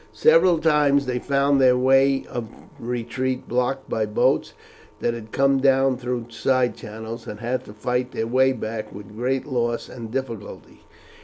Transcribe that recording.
Several times they found their way of retreat blocked by boats that had come down through side channels, and had to fight their way back with great loss and difficulty.